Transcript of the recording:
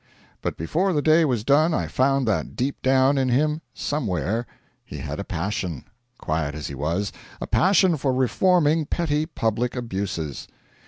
But before the day was done I found that deep down in him somewhere he had a passion, quiet as he was a passion for reforming petty public abuses.